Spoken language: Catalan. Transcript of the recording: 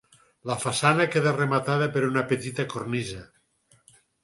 La façana queda rematada per una petita cornisa.